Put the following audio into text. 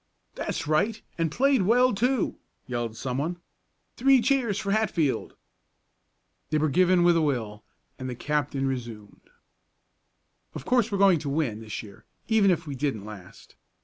"That's right and played well, too!" yelled someone. "Three cheers for Hatfield!" They were given with a will, and the captain resumed. "Of course we're going to win this year, even if we didn't last."